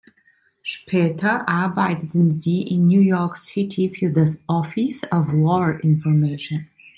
Später arbeiteten sie in New York City für das Office of War Information.